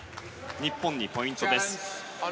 日本にポイントです。